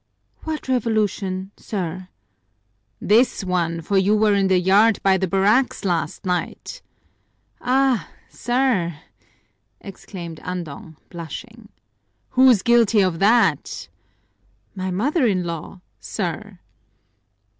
"What revolution, sir?" "This one, for you were in the yard by the barracks last night." "Ah, sir!" exclaimed Andong, blushing. "Who's guilty of that?" "My mother in law, sir!"